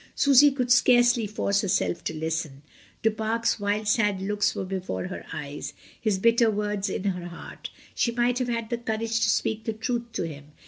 Susy could scarcely force herself to listen; Du Parc's wild sad looks were before her eyes, his bitter words in her heart; she might have had the courage to speak the truth to him.